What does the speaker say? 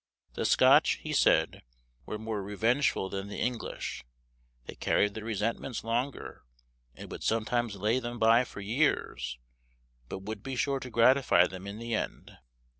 The Scotch, he said, were more revengeful than the English; they carried their resentments longer, and would sometimes lay them by for years, but would be sure to gratify them in the end.